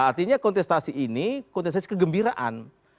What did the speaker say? artinya kontestasi ini kontestasi kegembiraan